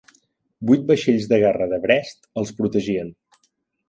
Vuit vaixells de guerra de Brest els protegien.